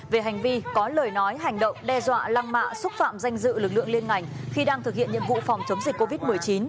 về hành vi có lời nói hành động đe dọa lăng mạ xúc phạm danh dự lực lượng liên ngành khi đang thực hiện nhiệm vụ phòng chống dịch covid một mươi chín